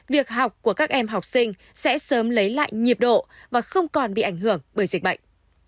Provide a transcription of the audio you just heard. việc học của các em học sinh sẽ sớm lấy lại nhịp độ và không còn bị ảnh hưởng bởi dịch bệnh